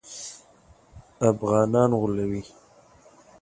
افغانان غولوي.